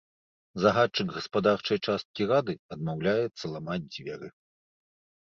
Загадчык гаспадарчай часткі рады адмаўляецца ламаць дзверы.